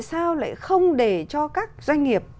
tại sao lại không để cho các doanh nghiệp